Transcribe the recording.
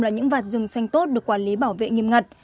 là những vạt rừng xanh tốt được quản lý bảo vệ nghiêm ngặt